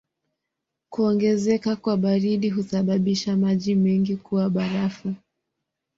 Kuongezeka kwa baridi husababisha maji mengi kuwa barafu.